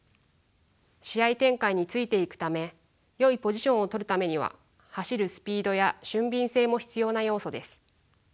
試合展開についていくためよいポジションを取るためには走るスピードや俊敏性も必要な要素です。